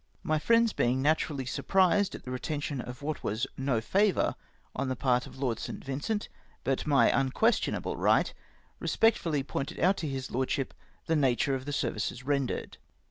My friends, being natm^ally sur prised at the retention of what was no favour on the part of Lord St. Vincent, but my unquestionable right, respectfully pointed out to his lordship the nature of the services rendered.